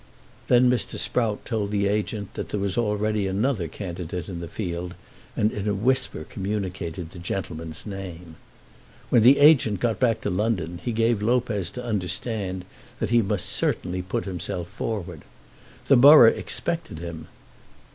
Then Mr. Sprout told the agent that there was already another candidate in the field, and in a whisper communicated the gentleman's name. When the agent got back to London, he gave Lopez to understand that he must certainly put himself forward. The borough expected him.